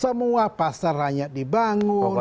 semua pasar rakyat dibangun